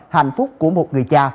hạnh phúc của một người cha